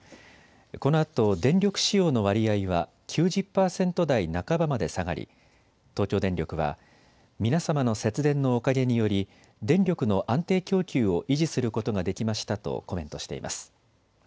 このあと電力使用の割合は９０％台半ばまで下がり東京電力は皆様の節電のおかげにより電力の安定供給を維持することができましたとコメントしています。